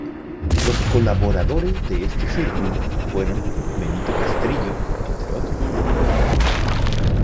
Los colaboradores de este Círculo fueron: Benito Castrillo, entre otros.